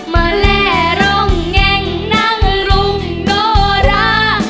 มาแลร่งแย่งนางลุงโดรา